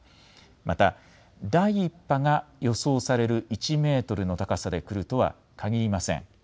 また第１波が予想される１メートルの高さで来るとはかぎりません。